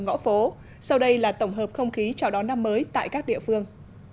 ngõ phố sau đây là tổng hợp không khí chào đón năm mới tại các địa phương